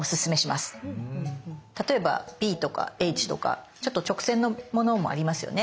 例えば「Ｂ」とか「Ｈ」とかちょっと直線のものもありますよね。